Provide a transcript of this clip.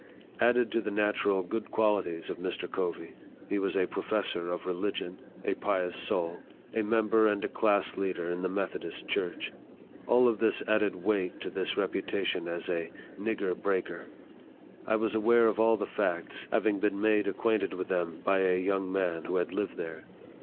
Added to the natural good qual ities of Mr. Covey, he was a professor of religion a pious soul a member and a class leader in the Meth odist church. All of this added weight to his reputa tion as a " nigger breaker." I was aware of all the facts, having been made acquainted with them by a young man who had lived there.